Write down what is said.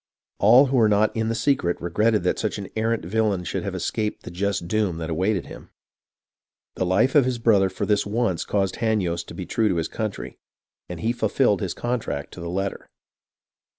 All who were not in the secret regretted that such an arrant villain should have escaped the just doom that awaited him. "The life of his brother for this once caused Hanyost to be true to his country, and he fulfilled his contract to the letter.